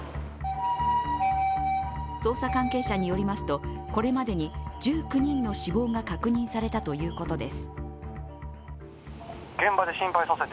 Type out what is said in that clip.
捜査関係者によりますと、これまでに１９人の死亡が確認されたということです。